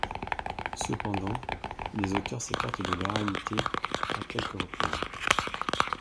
Cependant, les auteurs s'écartent de la réalité à quelques reprises.